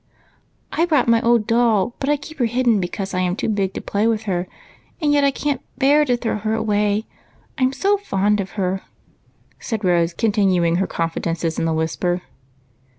" I brought my old doll, but I keep her hidden be cause I am too big to play with her, and yet I can't bear to throw her away, I'm so fond of her," said Rose, continuing her confidences in a whisper.